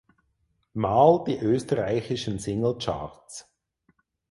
Mal die österreichischen Singlecharts.